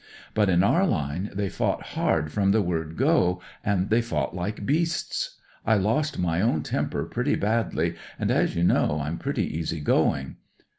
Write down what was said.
"But in our line they fought hard from the word go, and they fought like beasts. I lost my own temper pretty badly, and as you know I'm pretty easy going.